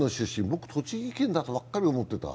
僕、栃木県だとばっかり思ってた。